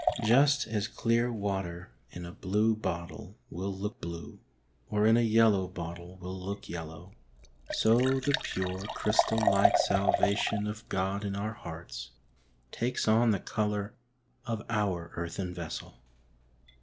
Just as clear water in a blue bottle will look blue, or in a yellow bottle will look yellow, so the pure, crystal like salvation of God in our hearts takes on the colour of our earthen vessel.